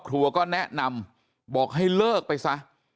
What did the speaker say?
แล้วก็ยัดลงถังสีฟ้าขนาด๒๐๐ลิตร